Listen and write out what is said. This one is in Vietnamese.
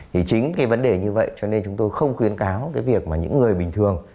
thì chính cái vấn đề như vậy cho nên chúng tôi không khuyến cáo cái việc mà những người bình thường